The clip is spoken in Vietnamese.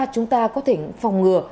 chúng ta có thể phòng ngừa